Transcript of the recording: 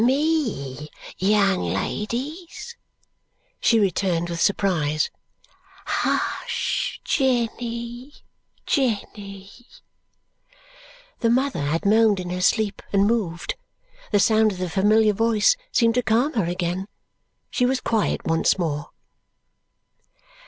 "Me, young ladies?" she returned with surprise. "Hush! Jenny, Jenny!" The mother had moaned in her sleep and moved. The sound of the familiar voice seemed to calm her again. She was quiet once more.